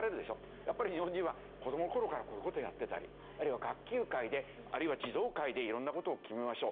やっぱり日本人は子どもの頃からこういう事をやってたりあるいは学級会であるいは児童会で色んな事を決めましょう。